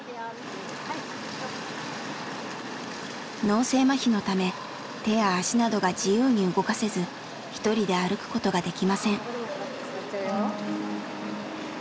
脳性まひのため手や足などが自由に動かせず一人で歩くことができません。